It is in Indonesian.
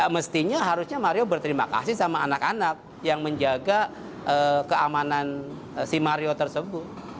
mestinya harusnya mario berterima kasih sama anak anak yang menjaga keamanan si mario tersebut